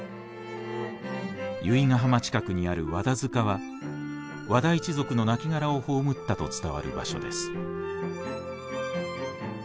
由比ヶ浜近くにある和田塚は和田一族の亡骸を葬ったと伝わる場所です。